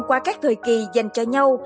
qua các thời kỳ dành cho nhau